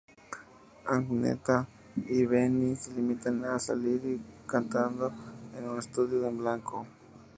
Agnetha y Benny se limitan a salir cantando en un estudio en blanco.